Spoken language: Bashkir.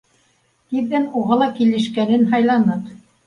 Тиҙҙән уға ла килешкәнен һайланыҡ.